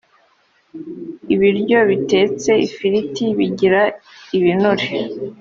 ibiryo bitetse ifiriti bigira ibinure.